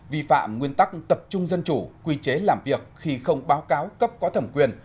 vi phạm nguyên tắc tập trung dân chủ quy chế làm việc khi không báo cáo cấp có thẩm quyền